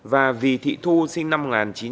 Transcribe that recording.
và vì thị thu sinh năm một nghìn chín trăm tám mươi